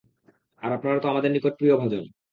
আর আপনারা তো আমাদের নিকট প্রিয়ভাজন।